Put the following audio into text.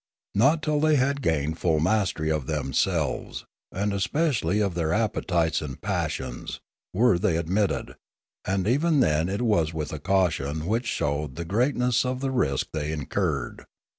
Not till they had gained full mastery of themselves, and especially of their appetites and passions, were they admitted, and even then it was with a caution which showed the greatness of the risk they incurred.